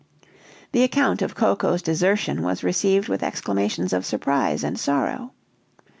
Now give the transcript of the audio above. The account of Coco's desertion was received with exclamations of surprise and sorrow.